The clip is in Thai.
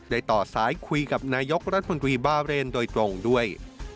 ต่อซ้ายคุยกับนายกรัฐมนตรีบาเรนโดยตรงด้วย